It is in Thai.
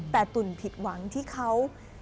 แต่ตุ๋นผิดหวังที่เขา